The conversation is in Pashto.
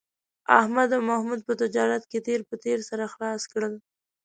احمد او محمود په تجارت کې تېر په تېر سره خلاص کړل